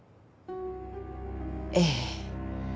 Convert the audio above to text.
ええ。